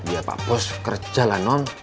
iya pak bos kerja lah non